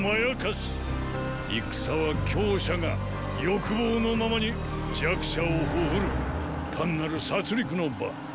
戦は強者が欲望のままに弱者を屠る単なる殺戮の場。